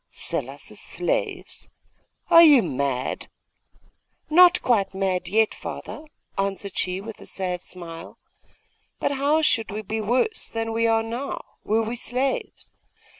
'Sell us as slaves? Are you mad?' 'Not quite mad yet, father,' answered she with a sad smile. 'But how should we be worse than we are now, were we slaves?